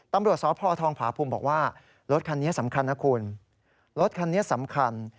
ตำรวจสพพภูมิบอกว่ารถคันนี้สำคัญนะคุณ